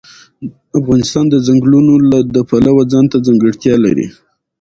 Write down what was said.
افغانستان د ځنګلونه د پلوه ځانته ځانګړتیا لري.